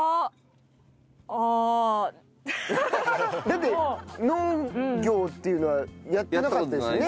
だって農業っていうのはやってなかったですよね？